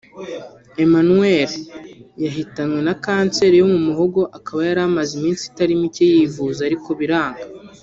Emmanuelle yahitanwe na kanseri yo mu muhogo akaba yari amaze iminsi itari mike yivuza ariko biranga